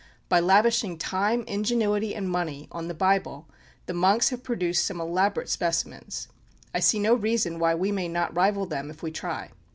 By lavishing time, ingenuity, and money on the Bible, the monks have produced some elaborate specimens. I see no reason why we may not rival them if we try."